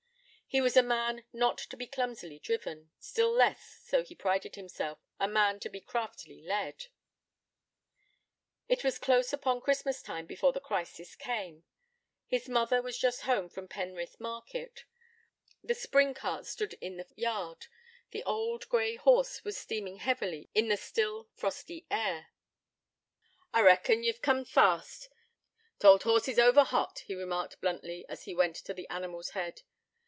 He was a man not to be clumsily driven, still less, so he prided himself, a man to be craftily led. It was close upon Christmas time before the crisis came. His mother was just home from Penrith market. The spring cart stood in the yard, the old grey horse was steaming heavily in the still, frosty air. 'I reckon ye've come fast. T' ould horse is over hot,' he remarked bluntly, as he went to the animal's head.